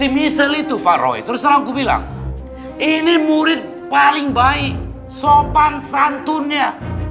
maafin bokap gua